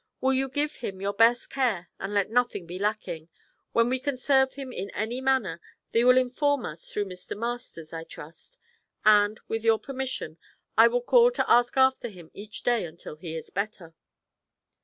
Will you give him your best care and let nothing be lacking? When we can serve him in any manner, thee will inform us through Mr. Masters, I trust; and, with your permission, I will call to ask after him each day until he is better.'